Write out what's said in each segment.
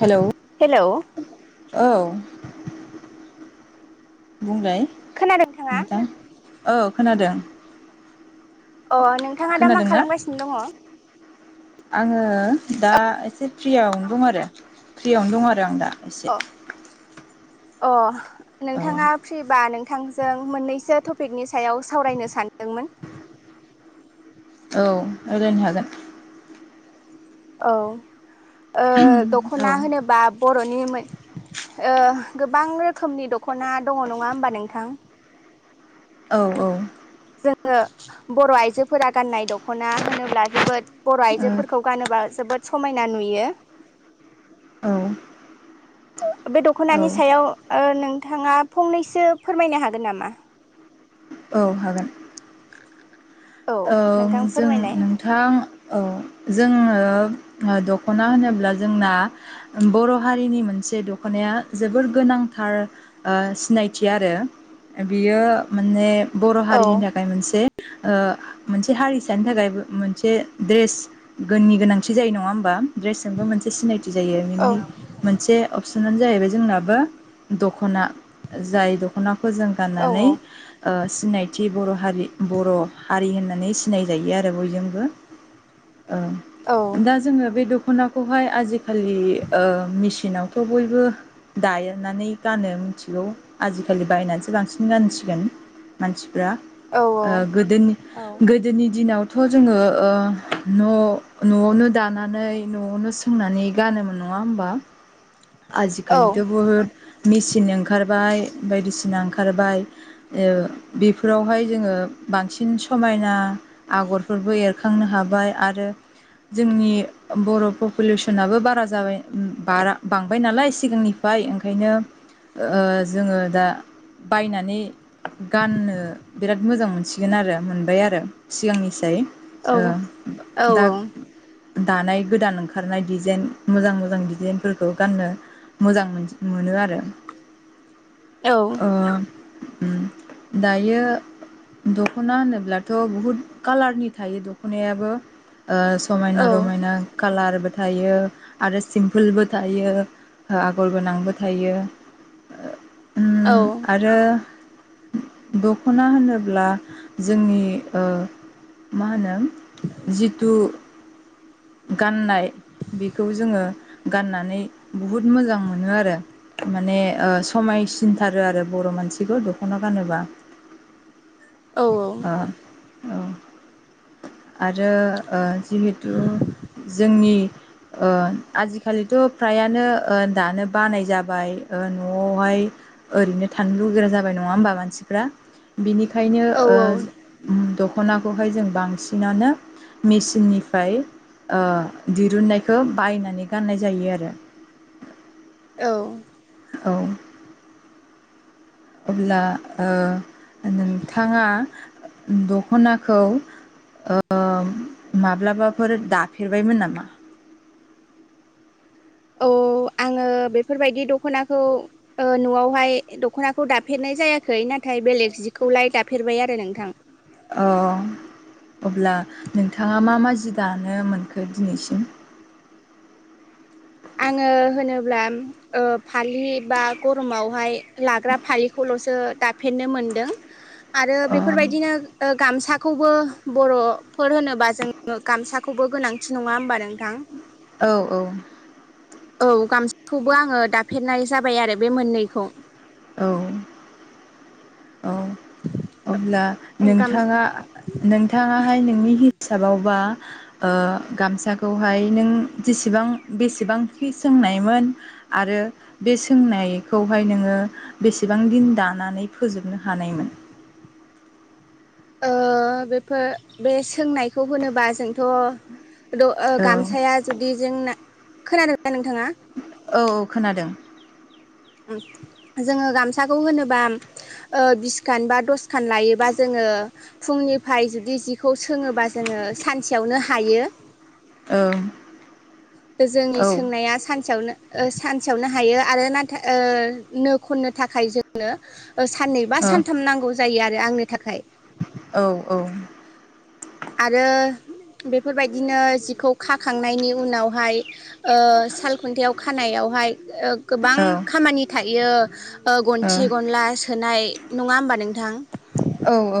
Hello hello औ। बुंलाय। खोनादों नोंथाङा? नोंथां औ खोनादों। अ नोंथाङा दा मा खोनादोंना खालामगासिनो दङ? आङो ओ दा एसे फ्रियावनो दं आरो फ्रियावनो दं आरो आं दा। अ एसे। अ' औ नोंथाङा फ्रिबा नों थांजों मोननैसो टपिकनि सायाव सावरायनो सानदोंमोन। औ रायलायनो हागोन। औ ओ औ दख'ना होनोबा बर' नि मो ओ गोबां रोखोमनि दख'ना दङ नङा होमबा नोंथां। औ-औ। जोङो बर' आइजोफोरा गाननाय दख'ना होनोब्ला जोबोद बर' आइजोफोरखौ गानोबा जोबोद समायना नुयो औ बे औ दख'नानि सायाव ओ नोंथाङा फंनैसो फोरमायनो हागोन नामा? औ हागोन। औ ओं नोंथां जों फोरमायलाय नोंथां। औ जोङो दख'ना होनोब्ला जोंना बर' हारिनि मोनसे दख'नाया जोबोर गोनांथार ओ सिनायथि आरो बियो माने बर' औ हारिनि थाखाय मोनसे ओ मोनसे हारिसानि थाखाय बो मोनसे द्रेस गोननि गोनांथि जायो नङा होमबा? ड्रेसजोंबो मोनसे सिनायथि जायो बिनि औ मोनसे अप सनानो जाहैबाय जोंनाबो दख'ना जाय दख'ना खौ जों औ औ गाननानै सिनायथि बर' हारि बर' हारि होननानै सिनायजायो आरो बयजोंबो। औ ओं दा जोङो बे द ख'नाखौहाय आजिखालि ओ मेसिनावथ' बयबो दायोनानै गानो मिथिगौ आजिखालि बायनानैसो बांसिन गानसिगोन मानसिफ्रा औ ओ गोदोनि दिनाव थ' जोङो ओ न न'आवनो दानानै न'आवनो सोंनानै गानोमोन नङा होमबा। आजिखालि थ' बहुथ मेचिन ओंखारबाय बायदिसिना ओंखारबाय ओ बेफोरावहाय जोङो बांसिन समायना आगरफोरबो एरखांनो हाबाय आरो जोंनि बर' पपुलेसनाबो बारा जाबाय बारा बांबाय नालाय सिगांनिफ्राय ओंखायनो ओ जोङो दा बायनानै गाननो बिराद मोजां मोन सिगोन आरो मोनबाय आरो सिगांनिसाय। औ ओ औ दा औ दानाय गोदान ओंखारनाय डिजाइन मोजां मोजां डिजाइनफोरखौ गाननो मोजां मोनो आरो। ओ ओम दायो दख'ना होनोब्लाथ' बहुद कालारनि थायो दख'नायाबो ओ समायना रमायना कालार थायो आरो सिमपोलबो थायो ओ आगर गोनांबो थायो। उम आरो दख'ना होनोब्ला जोंनि ओ मा होनो जिथु गाननाय बेखौ जोङो गाननानै बुहुत मोजां मोनो आरो। माने ओ समायसिनथारो आरो बर' मानसिखौ दख'ना गानोबा। औ औ ओ औ आरो ओ जिहेतु जोंनि ओ आजिखालिथ' फ्रायानो ओ दानो बानाय जाबाय ओ न'यावहाय ओरैनो थानो लुगैग्रा जाबाय नङा होमबा मानसिफ्रा बिनि खायनो ओ द' ख'नाखौहाय जों बांसिनानो मेसिननिफ्राय ओ दिरुननायखौ बायनानै गाननाय जायो आरो। औ औ। औ। अब्ला ओ नोंथाङा दखनाखौ ओ माब्लाबाफोर दाफेरबायमोन नामा? औ आङो बेफोरबायदि दख'नाखौ ओ न'आवहाय दख'नाखौ दाफेरनाय जायाखै नाथाय बेलेग जिखौलाय दाफेरबाय आरो नोंथां। अ अब्ला नोंथाङा मा मा जि दानो मोनखो दिनैसिम? आङो होनोब्ला ओ फालि बा गरमावहाय लाग्रा फालिखौल'सो दाफेरनो मोनदों आरो अ बेफोरबायदिनो ओ गामसा खौबो बर'फोर होनोबा जों गामसाखौबो गोनांथि नङा होमबा नोंथां? औ औ। औ गामसाखौबो आङो दाफेरनाय जाबाय आरो बे मोननैखौ। औ। औ अब्ला गाम नोंथाङा नोंथाङाहाय नोंनि हिसाबावबा ओ गामसाखौहाय नों जेसेबां बेसेबांखि सोंनायमोन आरो बे सोंनायखौहाय नोङो बेसेबां दिन दानानै फोजोबनो हानायमोन? ओ बेफोर बे सोंनायखौ होनोबा जोंथ' द ओ औ गामसाया जुदि जोंना खोनादों ना नोंथाङा? औ औ खोनादों। जोङो गामसाखौ होनोबा ओ बिसखान बा दसखान लायोबा जोङो फुंनिफ्राय जुदि जिखौ सोङोबा जोङो सानसेयावनो हायो। ओम। जोंनि सोंनाया सानसेयावनो ओ सानसेयावनो हायो आरो नाथाय ओ नो खननो थाखाय जोङो ओ साननै बा औ सानथाम नांगौ जायो आ रो आंनि थाखाय औ ओ औ आरो बेफोरबायदिनो जिखौ खाखांनायनि उनावहाय ओ सालखुन्थायाव खानायावहाय ओ गोबां खामानि था यो ओ गन्थि गनला सोनाय नङा होमबा नोंथां? औ औ।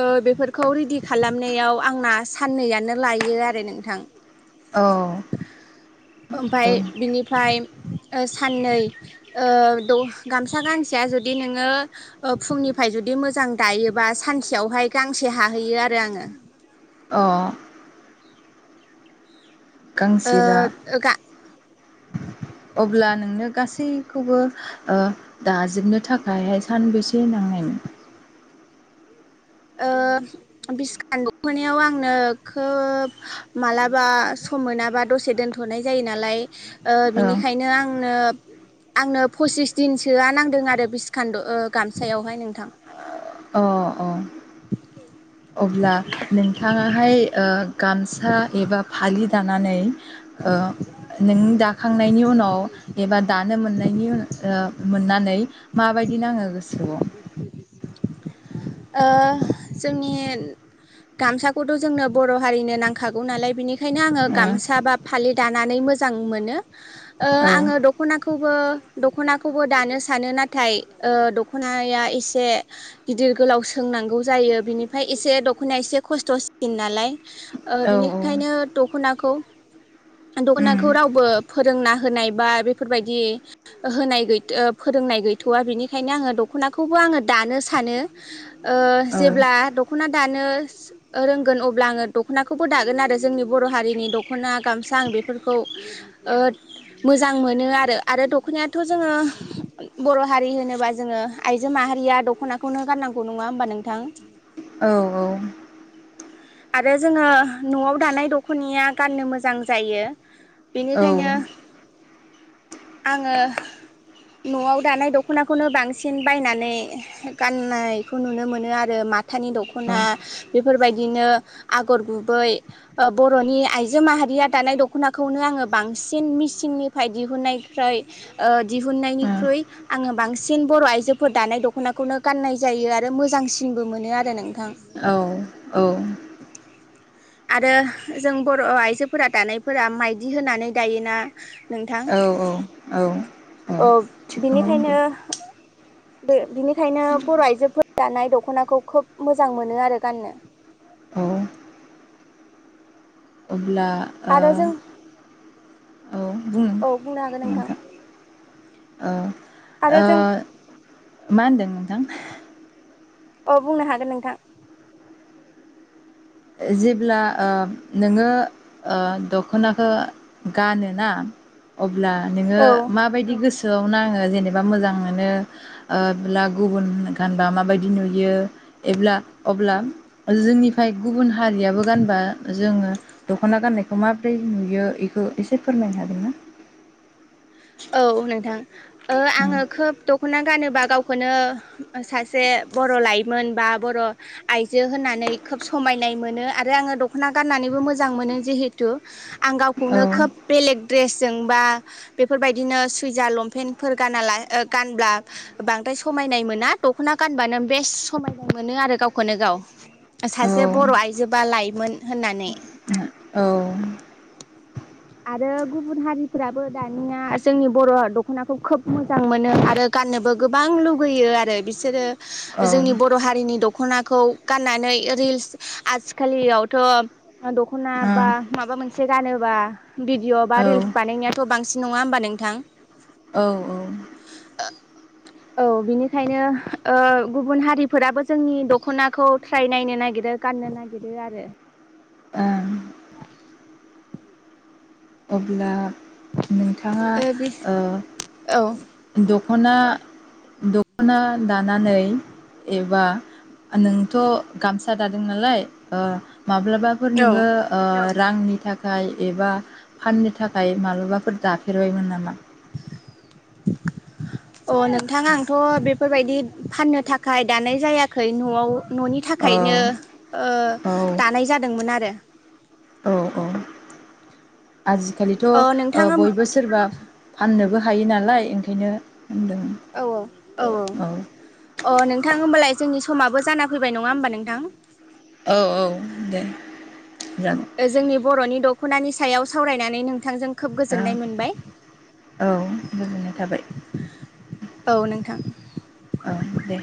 ओ बेफोरखौ रेडि खालामनायाव आंना साननैयानो लायो आरो नोंथां। औ ओमफाय बिनिफ्राय ओ साननै ओ द गामसा गांसेया जुदि नोङो ओ फुंनिफ्राय जुदि मोजां दायोबा सानसेयावहाय गांसे हाहैयो आरो आङो। अ' ओ गांसेबा [unintelligible] अब्ला नोंनो गासैखौबो ओ दाजोबनो थाखायहाय सानबेसे नांनायमोन? ओ बिसखान्द मोनायाव आंनो खोब मालाबा सम मोनाबा दसे दोनथ'नाय जायो नालाय ओ औ बिनिखायनो आंनो आंनो फसिस दिनसोआ नांदों आरो बिसकान्द' गामसायावहाय नोंथां अ'अ' अब्ला नोंथाङाहाय ओ गामसा एबा फालि दानानै ओ नों दाखांनायनि उनाव अ'एबा दानो मोननायनि उन ओ मोननानै माबायदि नांङो गोसोआव ओ जोंनि गामसाखौथ' जोंनो बर' हारिनो नांखागौ नालाय बेनिख खायनो आङो गामसा बा फालि दा नानै मोजां मोनो ओ आङो दख'नाखौ बो दख'नाखौबो दानो सानो ओ नाथाय दख'नाया एसे गिदिर गोलाव सोंनांगौ जायो बिनिफ्राय एसे दख'नाया एसे खस्थ'सिन नालाय ओ औ औ बिनिखायनो दख'नाखौ उम दख'नाखौ रावबो फोरोंना होनायबा बेफोरबायदि होनायगैथ ओ फोरोंनाय गैथ'वा बिनिखायनो आंङो दख'नाखौबो आंङो दानो सानो [inaudible] ओ औ जेब्ला दख'ना दानो रोंगोन अब्ला आंङो दख'नाखौबो दागोन आरो जोंनि बर' हारिनि दख'ना गामसा आं बेफोरखौ। ओद मोजां मोनो आरो आरो दख'नायाथ' जोङो बर' हारि होनोबा जोङो आइजो माहारिया दख'नाखौनो गाननांगौ नङा होमबा नोंथां। औऔ। आरो जोङो न'आव दानाय दख'नाया गाननो मोजां जायो। औ ओ औ बेनिखायनो आंङो न'आव दानाय दख'नाखौनो बांसिन बायनानै गाननायखौ नुनो मोनो आरो माथानि दख'ना बेफोरबायदिनो आगर गुबै बर'नि आइजो माहारिया दानाय दख'नाखौनो आंङो बांसिन मिसिननिफ्राय दिहुननायखाय दिहुननायनिख्रुइ आंङो बांसिन बर' आइजोफोर दानाय दख'नाखौनो गाननाय जायो आरो मोजांसिनबो मोनो आरो नों औ औ। आरो जों बर' आइजोफोरा दानायफोरा माइदि होनानै दायोना नोंथां औ औ अ' थिगखौनो बुंदों बिनिखायनो बे बिनिखायनो बर' आइजोफोरा दानाय दख'नाखौ खोब मोजां मोनो आरो गाननो। औ अब्ला ओ आरो जों औ बुं औ बुंनो हागोन नोंथां। ओ आरो ओ जों मा होनदों नोंथां? अ बुंनो हागोन नोंथां। जेब्ला ओ नोङो ओ द'खनाखौ गानोना अब्ला नोङो औ माबायदि गोसो गोसोआव नाङो जेनेबा मोजां मोनो ब्ला गुबुन गानबा माबायदि नुयो एब्ला अब्ला जोंनिफ्राय गुबुन हारियाबो गानबा जोङो द'खना गाननायखौ माबोरै नुयो इखौ एसे फोरमायनो हागोनना? औ नोंथां ओं आंङो खोब द' द'खना गानोबा गावखौनो सासे बर' लाइमोन बा बर' आइजो होननानै खोब समायनाय मोनो आरो आङो द'खना गाननानैबो मोजां मोनो जिहेथु आं औ गावखौनो खोब बेलेग द्रेसजों बा बे बेफोरबायदिनो सुइजार लंपेन्टफोर गाना गानब्ला बेफोरबादिनो सुइजार लमफेनफोर गानाला ओ गानब्ला बांद्राइ समायनाय मोना द'खना गानबानो बेस समायनाइ मोनो आरो गावखौनो गाव सासे बर' आइजोबा लाइमोन होननानै। औ आरो गुबुन हारिफ्राबो दानिया जोंनि बर' द'खनाखौ आरो गुबुन हारिफोराबो दानिया जोंनि बर' दखनाखौ खोब मोजां मोनो आरो गाननोबो गोबां लुगैयो आरो बिसोरो औ जोंनि बर' हारिनि दखनाखौ गाननानै रिल्स आजिखालियावथ' द'खना बा ओं माबा मोनसे गानोबा भिडिअ' बा औ रिल्स बानायनायाथ' बांसिन नङा होमबा नोंथां? औ औ। औ बिनिखायनो ओ गुबुन हारिफोराबो जोंनि द'खनाखौ ट्राय नायनो नागिरो गाननो नागिरो आरो ओं अब्ला नोंथाङा ओ औ द' द'खना द'खना दानानै एबा नोंथ' गामसा दादों नालाय ओ माब्लाबाफोर औ नोङो ओ रांनि थाखाय एबा फाननो थाखाय माबलाबाफोर दाफेरबायमोन नामा? अ' नोंथां आंथ' बेफोरबायदि फाननो थाखाय दानाय जायाखै न'आव न'नि औ थाखायनो ओ औ दानाय जादोंमोन आरो दे औ औ आजिखालिथ' औ ओ नोंथां औ बयबो सोरबा फाननोबो हायो नालाय ओंखायनो होनदों औ औ औ औ अ नोंथां होमबालाय जोंनि समाबो जाना फैबाय नङा होमबा नोंथां? औ औ दे। जागोन ओ जोंनि बर'नि द'खनानि सायाव सावरायनानै नोंथांजों खोब ओं गोजोननाय मोनबाय औ गोजोननाय थाबाय औ नोंथां। औ दे।